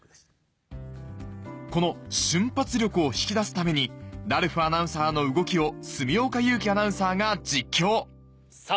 この瞬発力を引き出すためにラルフアナウンサーの動きを住岡佑樹アナウンサーが実況さぁ